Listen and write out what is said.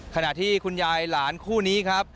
ขณะที่คุณยายหลานคู่นี้ครับ